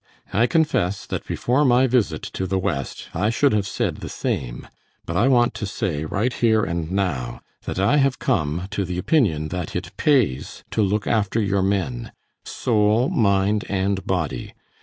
I confess that before my visit to the West I should have said the same, but I want to say right here and now, that I have come to the opinion that it pays to look after your men soul, mind, and body.